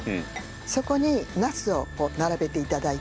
そこにナスを並べて頂いて。